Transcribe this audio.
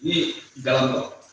ini di dalam tol